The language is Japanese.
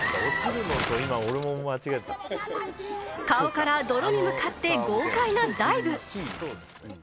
顔から泥に向かって豪快なダイブ。